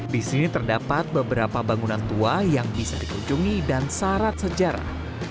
di sini terdapat beberapa bangunan tua yang bisa dikunjungi dan syarat sejarah